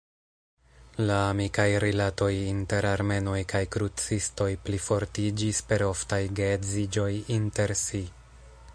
La amikaj rilatoj inter armenoj kaj krucistoj plifortiĝis per oftaj geedziĝoj inter si.